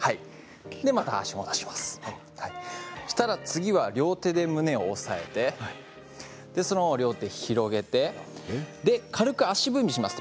次は両手で胸を押さえてその両手を広げて軽く足踏みします。